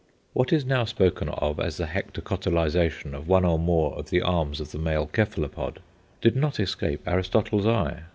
What is now spoken of as the hectocotylization of one or more of the arms of the male cephalopod did not escape Aristotle's eye.